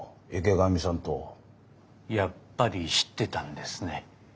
やっぱり知ってたんですね。